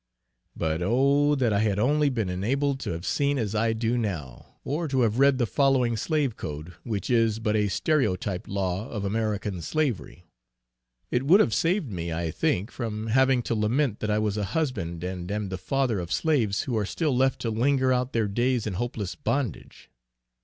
But oh! that I had only then been enabled to have seen as I do now, or to have read the following slave code, which is but a stereotyped law of American slavery. It would have saved me I think from having to lament that I was a husband and am the father of slaves who are still left to linger out their days in hopeless bondage.